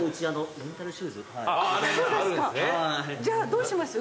じゃあどうします？